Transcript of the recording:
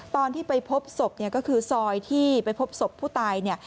ตอนที่ไปพบศพก็คือซอยที่ไปพบศพผู้ตาย